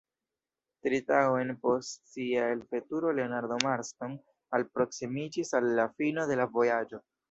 Tri tagojn post sia elveturo Leonardo Marston alproksimiĝis al la fino de la vojaĝo.